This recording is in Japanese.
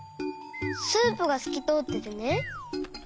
スープがすきとおっててね。